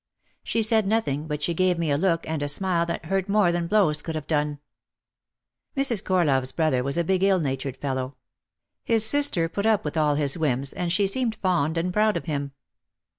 She said nothing but she gave me a look and a smile that hurt more than blows could have done. Mrs. Corlove's brother was a big ill natured fellow. His sister put up with all his whims and she seemed fond and proud of him.